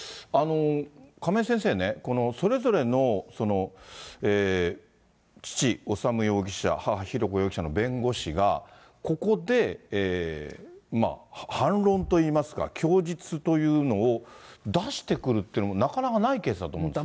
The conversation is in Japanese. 亀井先生ね、この、それぞれの父、修容疑者、母、浩子容疑者の弁護士が、ここで反論といいますか、供述というのを出してくるっていうのも、なかなかないケースだと思うんですよ。